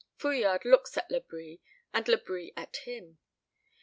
Fouillade looks at Labri, and Labri at him.